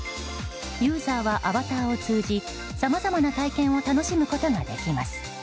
ユーザーはアバターを通じさまざまな体験を楽しむことができます。